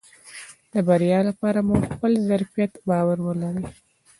د بريا لپاره مو په خپل ظرفيت باور ولرئ .